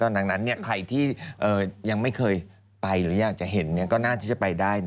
ดังนั้นใครที่ยังไม่เคยไปหรืออยากจะเห็นก็น่าที่จะไปได้